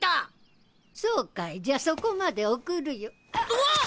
うわっ！